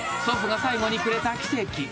祖父が最期にくれた奇跡］